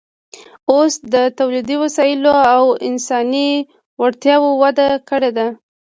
اوس د تولیدي وسایلو او انساني وړتیاوو وده کړې ده